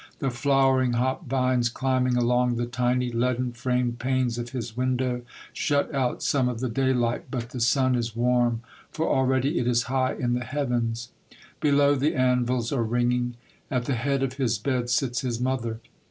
The flowering hop vines, climbing along the tiny leaden framed panes of his window, shut out some of the daylight, but the sun is warm, for already it is high in the heavens. 58 Monday Tales, Below, the anvils are ringing. At the head of his bed sits his mother.